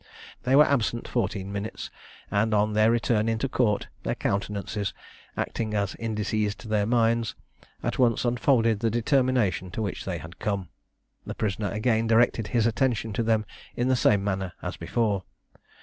They were absent fourteen minutes; and, on their return into court, their countenances, acting as indices to their minds, at once unfolded the determination to which they had come. The prisoner again directed his attention to them in the same manner as before.